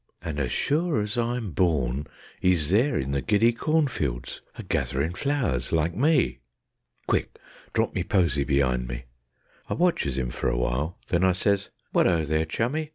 _ And as sure as I'm born 'E's there in the giddy cornfields, a gatherin' flowers like me. Quick! Drop me posy be'ind me. I watches 'im for a while, Then I says: "Wot 'o, there, Chummy!